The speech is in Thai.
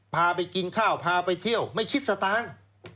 พาไปกินข้าวพาไปเที่ยวไม่คิดสตางค์